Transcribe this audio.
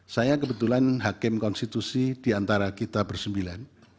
saya kebetulan hakim konstitusi diantara kita bersembilan